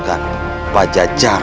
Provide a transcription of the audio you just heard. dan mencari raiber